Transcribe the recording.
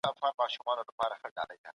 سیاست په ټولنه کي پرېکړې نه کوي.